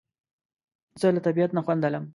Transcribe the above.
زه له طبیعت نه خوند اخلم